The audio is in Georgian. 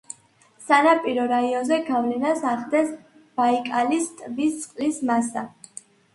სანაპირო რაიონზე გავლენას ახდენს ბაიკალის ტბის წყლის მასა.